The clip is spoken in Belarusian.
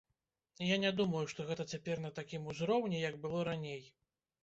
Я не думаю, што гэта цяпер на такім узроўні, як было раней.